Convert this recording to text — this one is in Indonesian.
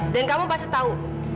dan kamu pasti tahu